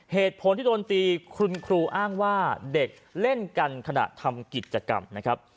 เหตุผลที่โดนตีคุณครูอ้างว่าเด็กเล่นกันขณะทำกิจกรรมนะครับ